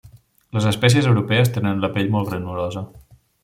Les espècies europees tenen la pell molt granulosa.